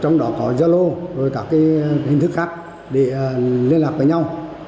trong đó có gia lô rồi các cái hình thức khác để liên lạc với nhau